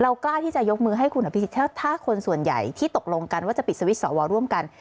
กล้าที่จะยกมือให้คุณอภิษฎถ้าคนส่วนใหญ่ที่ตกลงกันว่าจะปิดสวิตชอวอร่วมกัน